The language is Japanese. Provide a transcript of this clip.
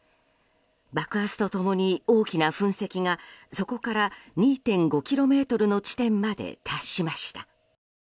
爆発と共に大きな噴石がそこから２．５ｋｍの地点まで達しました。